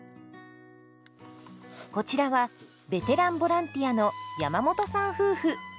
こちらはベテランボランティアの山本さん夫婦。